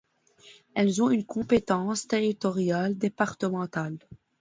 Elles ont une compétence territoriale départementale.